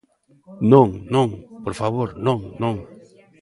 Non, non, por favor, non, non.